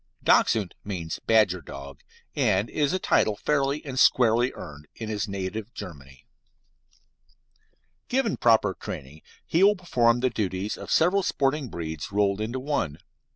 Dachshund means "badger dog," and it is a title fairly and squarely earned in his native Germany. Given proper training, he will perform the duties of several sporting breeds rolled into one.